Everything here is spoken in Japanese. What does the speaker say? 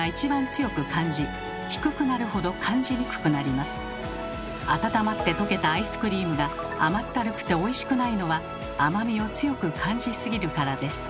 また温まって溶けたアイスクリームが甘ったるくておいしくないのは甘みを強く感じすぎるからです。